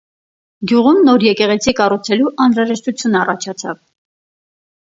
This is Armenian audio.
Գյուղում նոր եկեղեցի կառուցելու անհրաժեշտություն առաջացավ։